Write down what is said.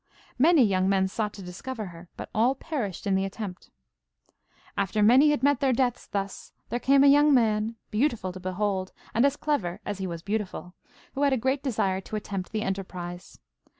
Many young men sought to discover her, but all perished in the attempt. After many had met their death thus, there came a young man, beautiful to behold, and as clever as he was beautiful, who had a great desire to attempt the enterprise.